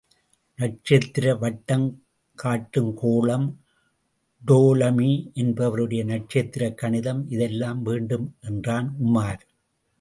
நட்சத்திர வட்டம் காட்டும்கோளம், டோலமி என்பவருடைய நட்சத்திரக் கணிதம் இதெல்லாம் வேண்டும் என்றான் உமார்.